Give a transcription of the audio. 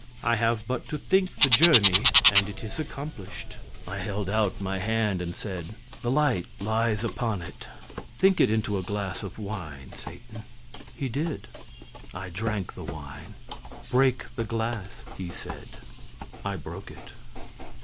I have but to think the journey, and it is accomplished." I held out my hand and said, "The light lies upon it; think it into a glass of wine, Satan." He did it. I drank the wine. "Break the glass," he said. I broke it.